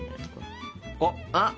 あっ！